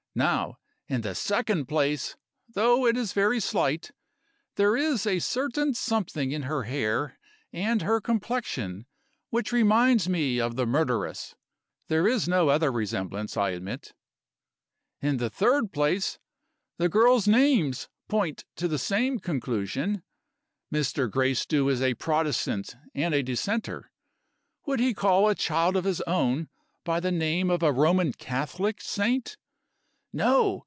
Now in the second place though it is very slight, there is a certain something in her hair and her complexion which reminds me of the murderess: there is no other resemblance, I admit. In the third place, the girls' names point to the same conclusion. Mr. Gracedieu is a Protestant and a Dissenter. Would he call a child of his own by the name of a Roman Catholic saint? No!